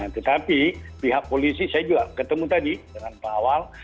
tetapi pihak polisi saya juga ketemu tadi dengan pak awal